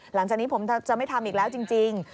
หลังจากนี้ผมจะไม่ทำอีกแล้วจริง